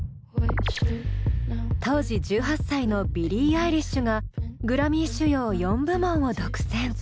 当時１８歳のビリー・アイリッシュがグラミー主要４部門を独占。